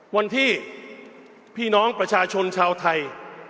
วันที่พี่น้องประชาชนชาวไทย